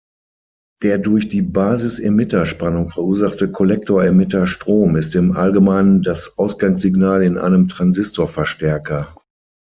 Der durch die Basis-Emitter-Spannung verursachte Kollektor-Emitter-Strom ist im Allgemeinen das Ausgangssignal in einem Transistorverstärker.